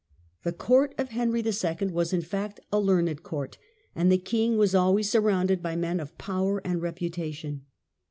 The court of Henry II. was in fact a learned court, and the king was always surrounded by men of power and reputation.